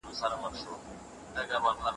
د سرمایې او کار ګډ استعمال اړین دی.